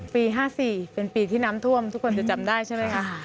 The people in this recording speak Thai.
ปี๕๔เป็นปีที่น้ำท่วมทุกคนจะจำได้ใช่ไหมคะ